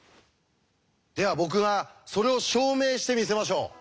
では僕がそれを証明してみせましょう。